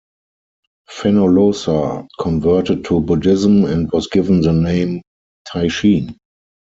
Fenollosa converted to Buddhism and was given the name Teishin.